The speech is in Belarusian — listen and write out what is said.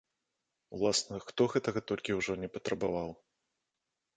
Уласна, хто гэтага толькі ўжо не патрабаваў.